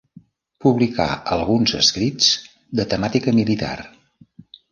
Publicà alguns escrits de temàtica militar.